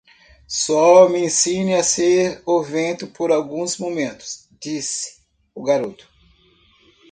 "Só me ensine a ser o vento por alguns momentos?", disse o garoto.